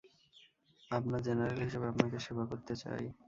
আপনার জেনারেল হিসেবে আপনাকে সেবা করতে চাই!